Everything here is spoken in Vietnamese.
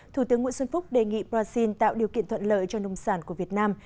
thủ tướng nguyễn xuân phúc đề nghị brazil tạo điều kiện thuận lợi cho nông sản của việt nam